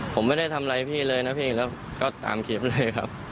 ผมไม่ได้ทำอะไรพี่เลยนะพี่ครับก็ตามคลิปเลยครับ